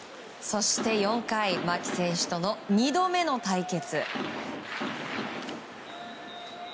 そして４回牧選手との２度目の対決。